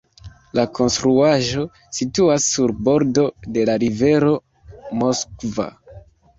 La konstruaĵo situas sur bordo de rivero Moskva.